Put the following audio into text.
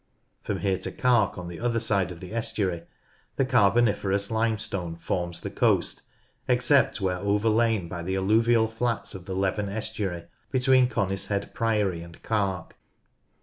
From here to Carle on the other side of the estuary the Carboniferous Limestone forms the coast except where overlain by the alluvial flats of the Leven estuary between Conishead Priory and Carle.